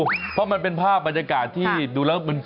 หมอกิตติวัตรว่ายังไงบ้างมาเป็นผู้ทานที่นี่แล้วอยากรู้สึกยังไงบ้าง